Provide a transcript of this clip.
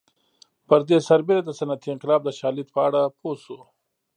پر دې سربېره د صنعتي انقلاب د شالید په اړه پوه شو